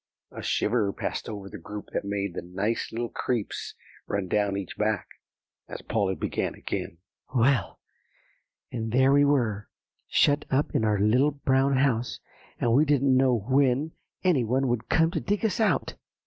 A shiver passed over the group that made the "nice little creeps" run down each back, as Polly began again, "Well, and there we were, shut up in our Little Brown House, and we didn't know when any one would come to dig us out."